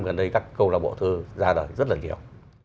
gần đây các câu lạc bộ thơ ra đời rất là nhiều